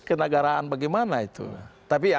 kenegaraan bagaimana itu tapi ya